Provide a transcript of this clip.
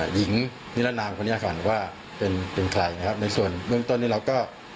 หญิงนิรนามคนนี้ก่อนว่าเป็นเป็นใครนะครับในส่วนเบื้องต้นนี้เราก็